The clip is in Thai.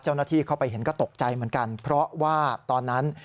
เจ้าหน้าที่เข้าไปเห็นก็ตกใจเหมือนกันเพราะว่าตอนนั้น